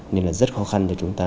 nên là rất khó khăn cho chúng ta